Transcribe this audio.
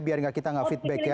biar gak kita gak feedback ya